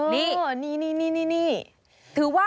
เนี่ย